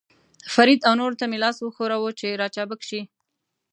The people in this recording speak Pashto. فرید او نورو ته مې لاس وښوراوه، چې را چابک شي.